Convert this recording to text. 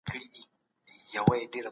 که عقل وکارول سي حقایق روښانه کیږي.